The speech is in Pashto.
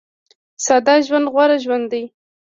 ساده ژوند غوره ژوند دی